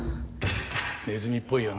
ネズミっぽいよね。